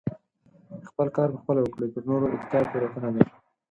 خپل کار په خپله وکړئ پر نورو اتکا تيروتنه ده .